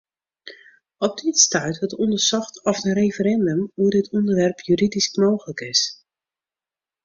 Op dit stuit wurdt ûndersocht oft in referindum oer dit ûnderwerp juridysk mooglik is.